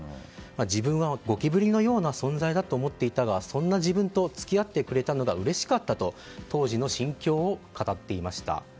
自分はゴキブリのような存在だと思っていたがそんな自分と付き合ってくれたのがうれしかったと当時の心境を語っていました。